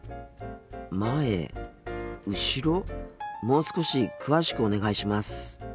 もう少し詳しくお願いします。